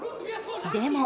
でも。